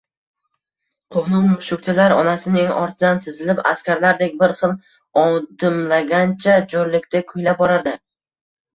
Quvnoq mushukchalar onasining ortidan tizilib, askarlardek bir xil odimlagancha, jo‘rlikda kuylab borardi: